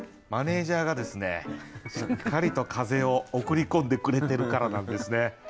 マネージャーがですねしっかりと風を送り込んでくれてるからなんですね。